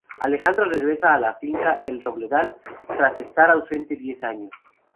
Alejandro regresa a la finca "El Robledal" tras estar ausente diez años.